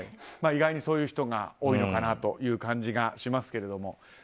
意外に、そういう人が多いのかなという感じがしますけれども。